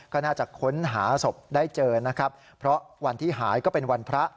ก็น่าจะค้นหาศพได้เจอนะครับเพราะวันที่หายก็เป็นวันพระ